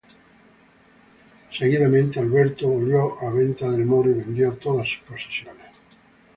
Seguidamente Alberto volvió a Venta del Moro y vendió todas sus posesiones.